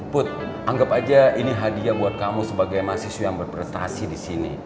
put anggap aja ini hadiah buat kamu sebagai mahasiswa yang berprestasi di sini